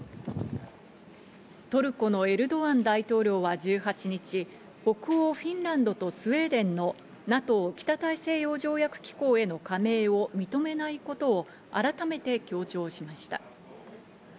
トルコのエルドアン大統領は１８日、北欧フィンランドとスウェーデンのＮＡＴＯ＝北大西洋条約機構への加盟を認めないことを改めて強調しました。